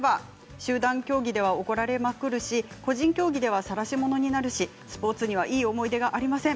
集団競技では怒られまくるし個人競技では、さらし者になるしスポーツにはいい思い出がありません。